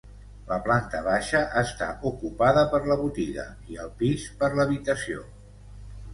La planta baixa està ocupada per la botiga i el pis per l'habitació.